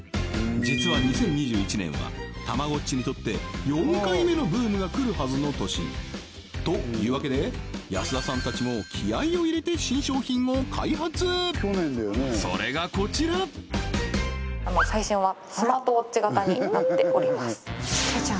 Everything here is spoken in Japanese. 実は２０２１年はたまごっちにとって４回目のブームが来るはずの年というわけで安田さんたちも気合いを入れて新商品を開発それがこちら最新はスマートウォッチ型になっております